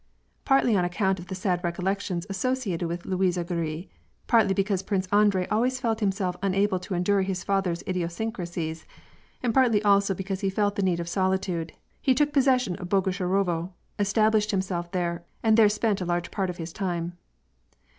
Partly on account of the sad recollections associated with Luisya Gorui, partly be cause Princes Andrei always felt himself unable to endure his father's idiosyncracies, and partly also because he felt the need of solitude, ne took possession of Bogucharovo, established himself there, and there spent a large part of his time.